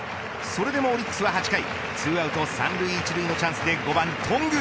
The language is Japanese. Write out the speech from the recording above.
それでもオリックスは８回２アウト３塁１塁のチャンスで５番、頓宮。